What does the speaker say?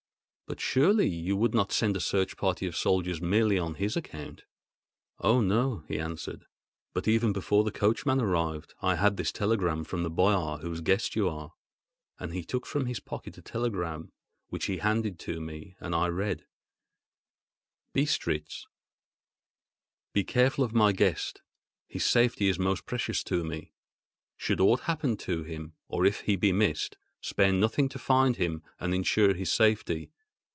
"But surely you would not send a search party of soldiers merely on this account?" "Oh, no!" he answered; "but even before the coachman arrived, I had this telegram from the Boyar whose guest you are," and he took from his pocket a telegram which he handed to me, and I read: Bistritz. Be careful of my guest—his safety is most precious to me. Should aught happen to him, or if he be missed, spare nothing to find him and ensure his safety.